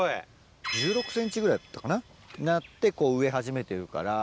１６ｃｍぐらいだったかななって植え始めてるから。